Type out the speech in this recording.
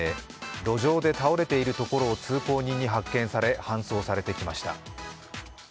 路上で倒れているところを通行人に発見され、搬送されてきました。